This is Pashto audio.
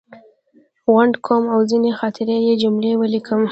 غونډ، قوم او ځینې خاطرې یې جملې ولیکم.